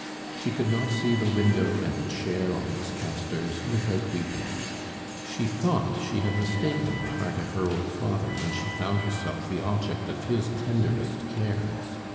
She could not see the window and the chair on its castors without weeping. She thought she had mistaken the heart of her old father when she found herself the object of his tenderest cares.